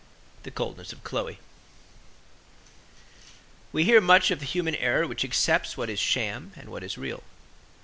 THE COLDNESS OF CHLOE We hear much of the human error which accepts what is sham and what is real.